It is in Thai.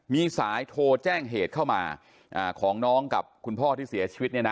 มีสายโทรแจ้งเหตุเข้ามาของน้องกับคุณพ่อที่เสียชีวิต